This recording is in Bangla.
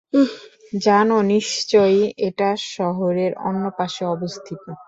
জানো নিশ্চয়ই, এটা শহরের অন্যপাশে অবস্থিত।